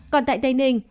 còn tại tây ninh